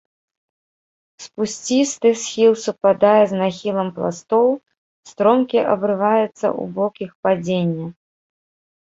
Спусцісты схіл супадае з нахілам пластоў, стромкі абрываецца ў бок іх падзення.